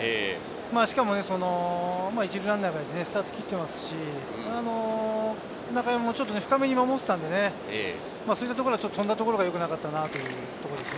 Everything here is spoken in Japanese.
しかも１塁ランナーがスタート切ってますし、中山も深めに守っていたので、そういったところがちょっと飛んだところがよくなかったなと思います。